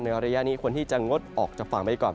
ระยะนี้ควรที่จะงดออกจากฝั่งไปก่อน